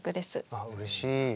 あっうれしい。